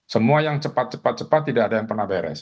semua yang cepat cepat cepat tidak ada yang pernah beres